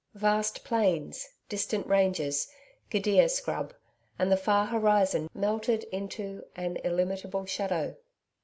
Vast plains, distant ranges, gidia scrub and the far horizon melted into an illimitable shadow.